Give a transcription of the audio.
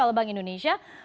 all bank indonesia